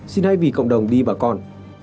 xin hãy vì cộng đồng đi bà con